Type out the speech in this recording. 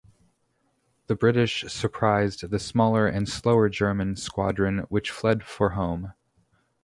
The British surprised the smaller and slower German squadron, which fled for home.